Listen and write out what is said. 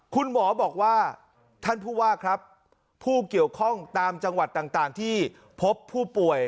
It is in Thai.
คุณหมอบอกว่าท่านผู้ว่าครับผู้เกี่ยวข้องตามจังหวัดต่างที่พบผู้ป่วย